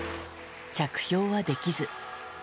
着氷はできず。